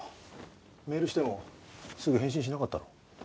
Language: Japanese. メールしてもすぐ返信しなかったろ。